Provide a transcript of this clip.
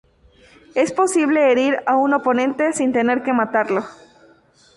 Es posible herir a un oponente sin tener que matarlo.